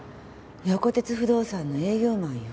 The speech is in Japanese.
横鉄不動産の営業マンよ。